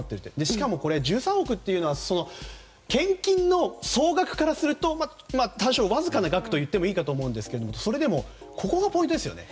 しかもこれ、１３億というのはその献金の総額からするとわずかな額といってもいいかもしれませんがここがポイントですね。